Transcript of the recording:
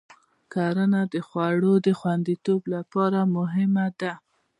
کرنه د خوړو د خوندیتوب لپاره مهمه ده.